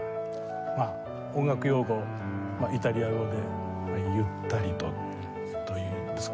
音楽用語イタリア語で「ゆったりと」という意味ですか。